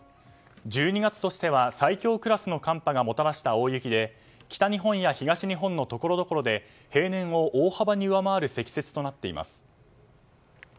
１２月としては最強クラスの寒波がもたらした大雪で北日本や東日本のところどころで平年を大幅に上回る積雪となっています。